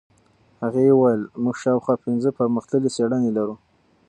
هغې وویل موږ شاوخوا پنځه پرمختللې څېړنې لرو.